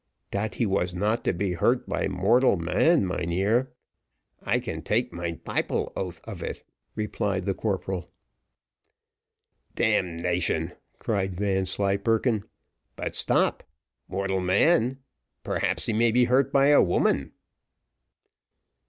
"Dat he was not to be hurt by mortal man, mynheer. I can take mine piple oath of it," replied the corporal. "Damnation!" cried Vanslyperken; "but stop mortal man perhaps he may be hurt by woman."